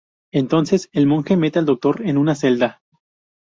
Entonces, el monje mete al Doctor en una celda.